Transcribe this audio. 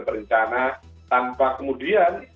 perencanaan tanpa kemudian